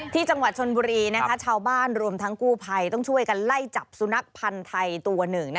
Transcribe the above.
ที่จังหวัดชนบุรีชาวบ้านรวมทั้งกู้ภัยต้องช่วยกันไล่จับสุนัขพันธ์ไทยตัวหนึ่ง